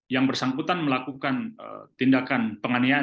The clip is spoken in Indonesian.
yang bersangkutan melakukan tindakan penganiayaan